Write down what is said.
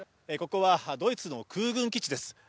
ここはドイツの空軍基地です。